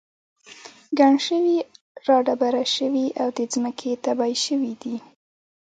ګڼ شوي را دبره شوي او د ځمکې تبی شوي دي.